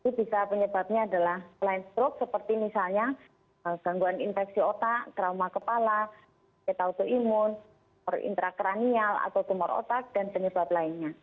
itu bisa penyebabnya adalah line stroke seperti misalnya gangguan infeksi otak trauma kepala etautoimun intrakranial atau tumor otak dan penyebab lainnya